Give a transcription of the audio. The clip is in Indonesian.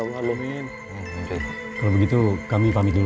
kalau begitu kami pamit dulu